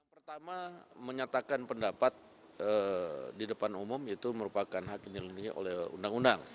pertama menyatakan pendapat di depan umum itu merupakan hak yang dilindungi oleh undang undang